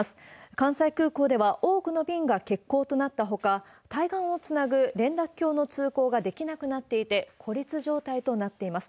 関西空港では多くの便が欠航となったほか、対岸をつなぐ連絡橋の通行ができなくなっていて、孤立状態となっています。